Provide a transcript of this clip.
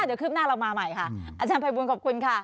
เดี๋ยวคืบหน้าเรามาใหม่ค่ะอาจารย์ภัยบูลขอบคุณค่ะ